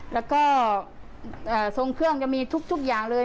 แล้วก็ทรงเครื่องจะมีทุกอย่างเลย